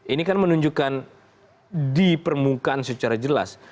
ini kan menunjukkan di permukaan secara jelas